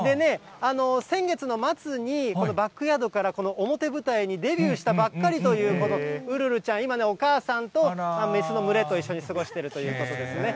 先月の末にこのバックヤードから表舞台にデビューしたばっかりというウルルちゃん、今ね、お母さんと雌の群れと一緒に過ごしているということですね。